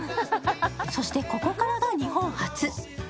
そして、ここからが日本初。